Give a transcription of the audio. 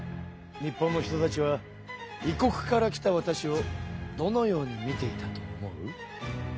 日本の人たちは異国から来たわたしをどのように見ていたと思う？